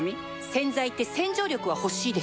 洗剤って洗浄力は欲しいでしょ